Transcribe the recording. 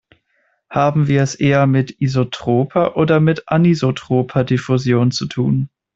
Haben wir es eher mit isotroper oder mit anisotroper Diffusion zu tun?